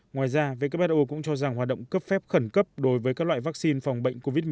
ngoài ra who cũng cho rằng hoạt động cấp phép khẩn cấp đối với các loại vaccine phòng bệnh covid một mươi chín